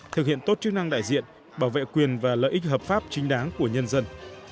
thực hiện tốt chức năng đại diện bảo vệ quyền và lợi ích hợp pháp chính đáng của nhân dân